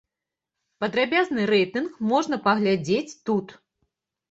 Падрабязны рэйтынг можна паглядзець тут.